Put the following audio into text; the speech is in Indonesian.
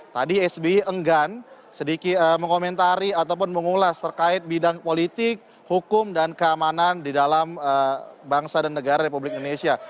tadi sby enggan sedikit mengomentari ataupun mengulas terkait bidang politik hukum dan keamanan di dalam bangsa dan negara republik indonesia